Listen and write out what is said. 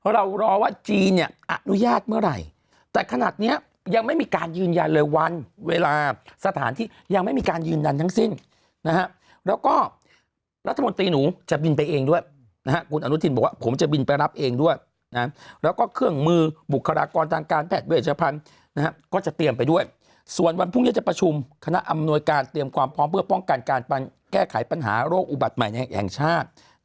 เรารอว่าจีนเนี่ยอนุญาตเมื่อไหร่แต่ขนาดเนี้ยยังไม่มีการยืนยันเลยวันเวลาสถานที่ยังไม่มีการยืนยันทั้งสิ้นนะฮะแล้วก็รัฐมนตรีหนูจะบินไปเองด้วยนะฮะคุณอนุทินบอกว่าผมจะบินไปรับเองด้วยนะฮะแล้วก็เครื่องมือบุคลากรทางการแพทย์เวชภัณฑ์นะฮะก็จะเตรียมไปด้วยส่วนวันพรุ่งเย็นจะป